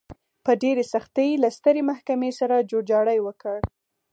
په ډېرې سختۍ له سترې محکمې سره جوړجاړی وکړ.